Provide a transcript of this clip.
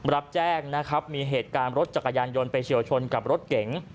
รับแจ้งนะครับมีเหตุการณ์รถจักรยานยนต์ไปเฉียวชนกับรถเก๋ง